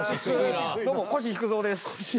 どうも腰低三です。